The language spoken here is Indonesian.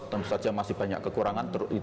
tentu saja masih banyak kekurangan